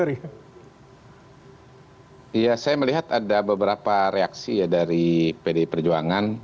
iya saya melihat ada beberapa reaksi ya dari pdi perjuangan